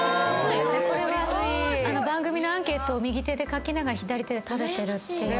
これは番組のアンケートを右手で書きながら左手で食べてるっていう。